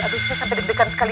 aduh saya sampai deg degan sekali